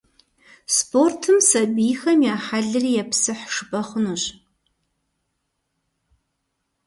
Спортым сабийхэм я хьэлри епсыхь жыпӀэ хъунущ.